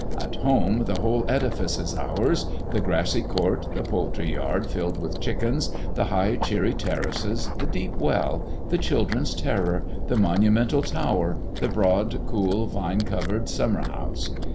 At home the whole edifice is ours: the grassy court, the poultry yard filled with chickens, the high, cheery terraces, the deep well, the children's terror, the monumental tower, the broad cool, vine covered summer house.